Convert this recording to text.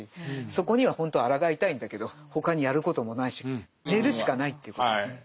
そこにはほんとはあらがいたいんだけど他にやることもないし寝るしかないということですね。